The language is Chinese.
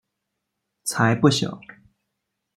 才不小！